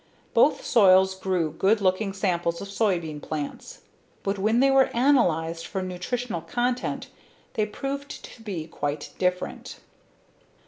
Both soils grew good looking samples of soybean plants, but when they were analyzed for nutritional content they proved to be quite different.